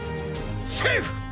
セーフ！